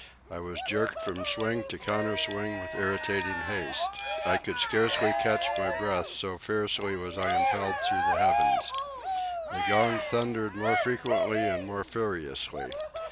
I was jerked from swing to counter swing with irritating haste. I could scarcely catch my breath, so fiercely was I impelled through the heavens. The gong thundered more frequently and more furiously.